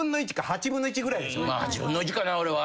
８分の１かな俺は。